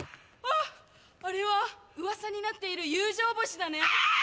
あっあれはうわさになっている友情星だねアアアー